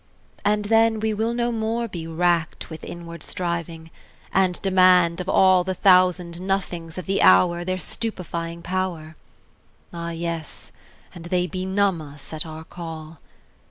And then we will no more be racked With inward striving, and demand Of all the thousand nothings of the hour Their stupefying power; Ah yes, and they benumb us at our call!